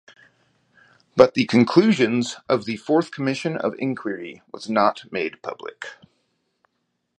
But the conclusions of the fourth commission of inquiry was not made public.